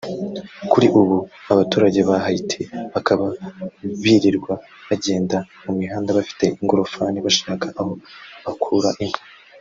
Kuri ubu abaturage ba Haiti bakaba birirwa bagenda mu mihanda bafite ingorofani bashaka aho bakura inkwi